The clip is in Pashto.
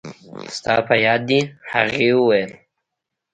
ستا په یاد دي؟ هغې وویل.